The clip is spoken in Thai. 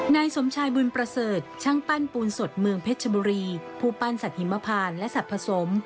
นายสมชายบุญประเสริฐช่างปั้นปูนสดเมืองเพชรชบุรีผู้ปั้นสัตว์หิมพานและสัตว์ผสม